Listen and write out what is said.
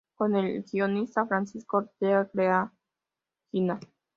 Con el guionista Francisco Ortega creará "Gina".